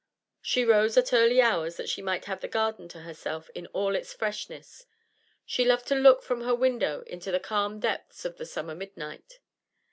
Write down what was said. She rose at early hours that she might have the garden to herself in all its freshness; she loved to look from her window into the calm depth of the summer midnight.